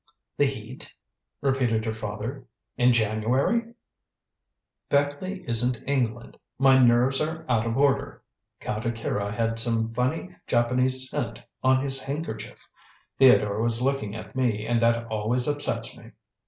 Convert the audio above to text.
"The heat?" repeated her father; "in January?" "Beckleigh isn't England. My nerves are out of order. Count Akira had some funny Japanese scent on his handkerchief. Theodore was looking at me, and that always upsets me."